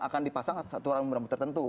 akan dipasang satu orang yang berambut tertentu